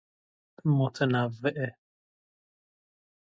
متنوعه